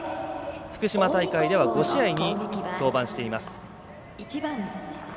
福島大会では５試合に登板しています。